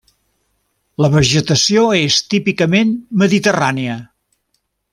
La vegetació és típicament mediterrània.